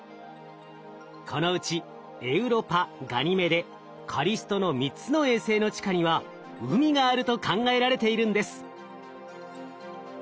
このうちエウロパガニメデカリストの３つの衛星の地下には海があると考えられているんです。